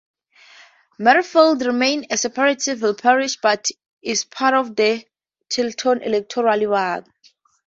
Marefield remains a separate civil parish, but is part of the Tilton Electoral Ward.